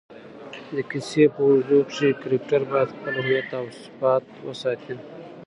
د کیسې په اوږدو کښي کرکټرباید خپل هویت اوصفات وساتي.